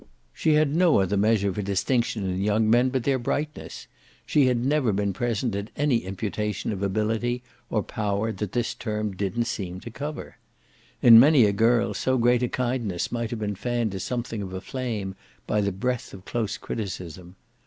She had no other measure for distinction in young men but their brightness; she had never been present at any imputation of ability or power that this term didn't seem to cover. In many a girl so great a kindness might have been fanned to something of a flame by the breath of close criticism.